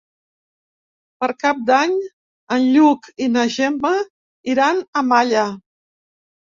Per Cap d'Any en Lluc i na Gemma iran a Malla.